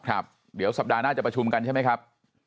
ครับเดี๋ยวสัปดาห์หน้าจะประชุมกันใช่ไหมครับ